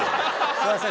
すいません。